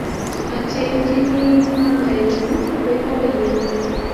Achengjini mamaenyu boiboiyenyi